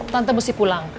tante mesti pulang